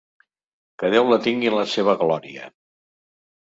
Què Déu la tingui en la seva glòria!